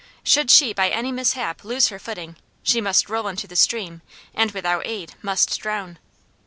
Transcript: Should she by any mishap lose her footing, she must roll into the stream, and, without aid, must drown.